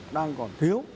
đang còn thiếu